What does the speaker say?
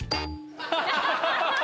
ハハハハ！